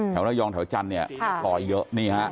แถวระยองแถวจันทร์เนี่ยลอยเยอะนี่ฮะ